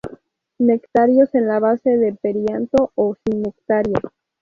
Nectarios en la base del perianto o sin nectarios.